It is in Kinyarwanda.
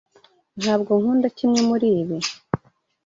Ntabwo nkunda kimwe muribi. (